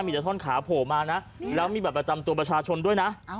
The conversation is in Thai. มีแต่ผ้าขาโผมานะแล้วมีแบบประจำตัวประชาชนด้วยนะ